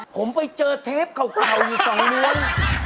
ผมไปเจอเทปเก่าอยู่สองโน้น